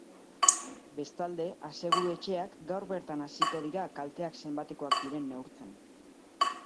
Bestalde, aseguru-etxeak gaur bertan hasiko dira kalteak zenbatekoak diren neurtzen.